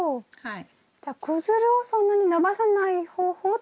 じゃあ子づるをそんなに伸ばさない方法ってことですね？